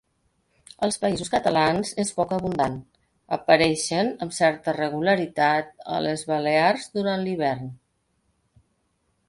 Als Països Catalans és poc abundant, apareixent amb certa regularitat a les Balears durant l'hivern.